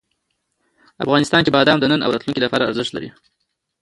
افغانستان کې بادام د نن او راتلونکي لپاره ارزښت لري.